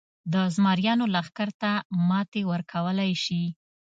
د زمریانو لښکر ته ماتې ورکولای شي.